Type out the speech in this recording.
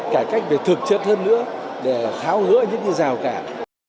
cải cách về thực chất hơn nữa để tháo hứa những dọc cản